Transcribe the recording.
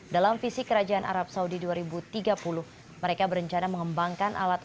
dalam visi kerajaan arab saudi dua ribu tiga puluh mereka berencana mengembangkan alat